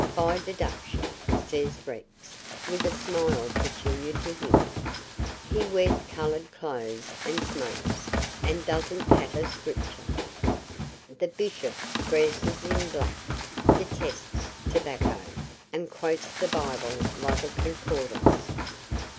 "By deduction," says Rex, with a smile peculiar to him. "He wears coloured clothes, and smokes, and doesn't patter Scripture. The Bishop dresses in black, detests tobacco, and quotes the Bible like a concordance.